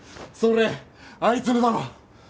それあいつのだろ？